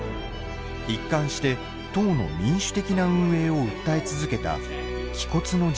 一貫して党の民主的な運営を訴え続けた気骨の人物だ。